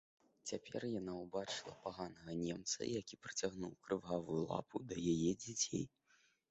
Цяпер яна ўбачыла паганага немца, які працягнуў крывавую лапу да яе дзяцей.